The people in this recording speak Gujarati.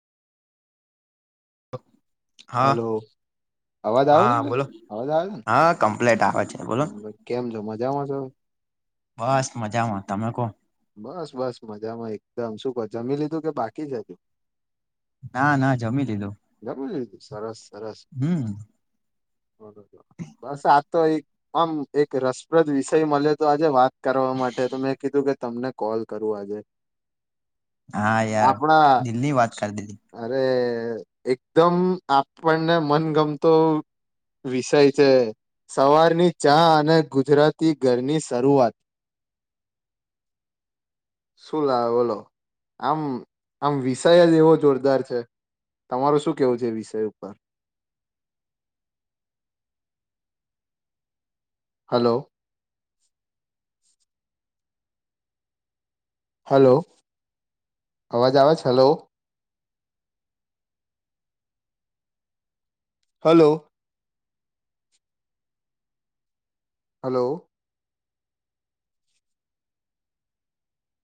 [inaudible] હાલો અવાજ આવ છે હા બોલો અવાજ આવે હા કમ્પ્લેટ આવે છે બોલો છેને કેમ છો મજામાં છો બસ મજામાં તમે કો બસ બસ મજામાં એકદમ શું કો જમી લીધું કે બાકી જ અજુ ના ના જમી લીધું લીધું સરસ હમ બરોબર બસ આ તો એક આમ એક રસપ્રદ વિષય મળે તો આજે વાત કરવા માટે તો મેં કીધું કે તમને કોલ કરું આજે હા યાર આપણા દિલ્હી વાત સ- કર દીલ્હી અરે એકદમ આપણને મનગમતો વિષય છે સવારની ચા અને ગુજરાતી ઘરની શરૂઆત શું લાવેલો આમ આમ વિષય જ એવો જોરદાર છે તમાર શું કેવું છે એ વિષય ઉપર હાલો હાલો અવાજ આવે છે હાલો હાલો હાલો